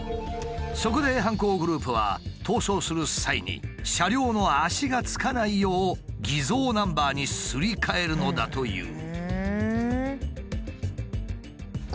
そこで犯行グループは逃走する際に車両の足がつかないよう偽造ナンバーにすり替えるのだという。